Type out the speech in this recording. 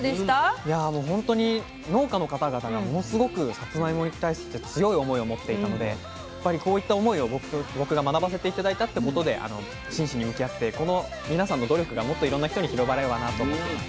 いやもうほんとに農家の方々がものすごくさつまいもに対して強い思いを持っていたのでやっぱりこういった思いを僕が学ばせて頂いたってことで真摯に向き合ってこの皆さんの努力がもっといろんな人に広がればなと思ってます。